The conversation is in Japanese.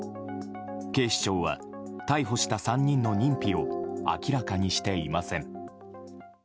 警視庁は、逮捕した３人の認否を明らかにしていません。